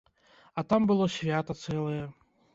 А там было свята цэлае.